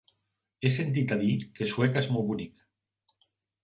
He sentit a dir que Sueca és molt bonic.